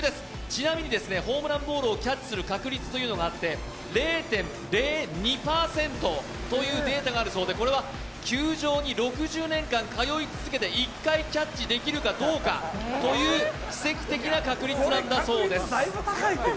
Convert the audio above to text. ちなみにホームランボールをキャッチする確率というのがあって、０．０２％というデータがあるそうで、これは球場に６０年間通い続けて１回キャッチできるかどうかという奇跡的な確率なんだそうです。